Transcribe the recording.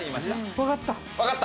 わかった？